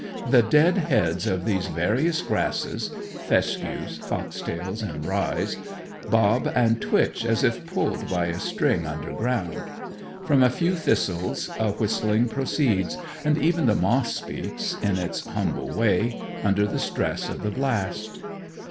The dead heads of these various grasses fescues, fox tails, and ryes bob and twitch as if pulled by a string underground. From a few thistles a whistling proceeds; and even the moss speaks, in its humble way, under the stress of the blast.